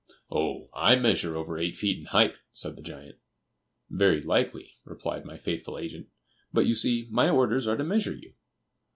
"Oh, I measure over eight feet in height," said the giant. "Very likely," replied my faithful agent, "but you see my orders are to measure you."